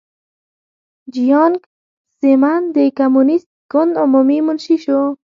جیانګ زیمن د کمونېست ګوند عمومي منشي شو.